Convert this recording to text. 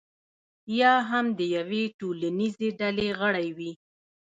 یا هم د یوې ټولنیزې ډلې غړی وي.